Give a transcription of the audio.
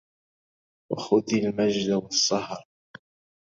وخذي المجد... والسهر